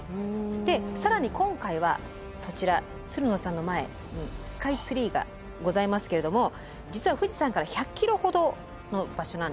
で更に今回はそちらつるのさんの前にスカイツリーがございますけれども実は富士山から１００キロほどの場所なんですね。